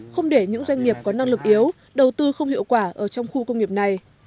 không để những doanh nghiệp có năng lực yếu đầu tư không hiệu quả ở trong khu công nghiệp này